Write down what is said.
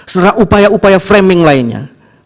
serta upaya upaya framing lainnya